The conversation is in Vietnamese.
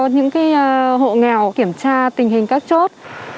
những hộ nghèo kiểm tra tình hình các chốt